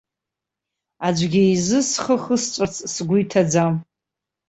Аӡәгьы изы схы хысҵәарц сгәы иҭаӡам.